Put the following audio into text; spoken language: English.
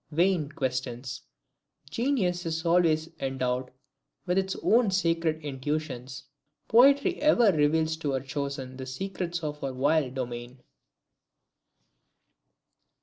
Vain questions! Genius is always endowed with its own sacred intuitions! Poetry ever reveals to her chosen the secrets of her wild domain!